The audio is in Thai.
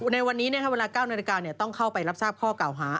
ในวันนี้เวลา๙นาฬิกาต้องเข้าไปรับทราบข้อเก่าหา